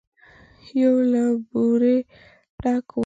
يو له بورې ډک و.